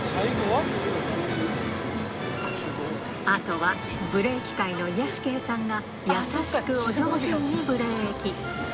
あとはブレーキ界の癒やし系さんが優しくお上品にブレーキ